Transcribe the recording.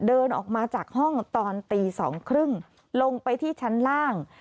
เดินออกมาจากห้องตอนตี๒๓๐ลงไปที่ชั้นล่าง